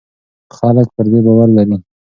خلک پر دې باور لري.